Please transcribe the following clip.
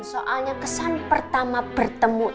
soalnya kesan pertama bertemu itu tuh